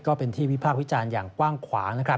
ก็เป็นที่วิพากษ์วิจารณ์อย่างกว้างขวางนะครับ